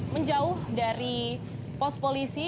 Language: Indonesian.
menjauh dari pos polisi